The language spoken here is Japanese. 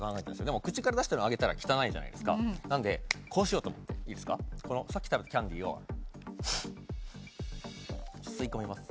でも口から出したのあげたら汚いなんでこうしようと思っていいですかこのさっき食べたキャンディーを吸い込みます